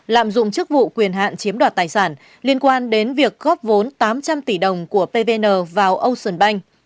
lạm dụng chức vụ quyền hạn chiếm đoạt tài sản liên quan đến việc góp vốn tám trăm linh tỷ đồng của pvn vào ocean bank